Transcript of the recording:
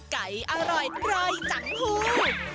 ไก่อร่อยรอยจังภูมิ